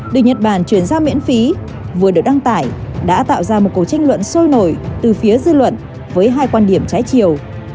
được nhật bản chuyển giao miễn phí vừa được đăng tải đã tạo ra một cuộc tranh luận sôi nổi từ phía dư luận với hai quan điểm trái chiều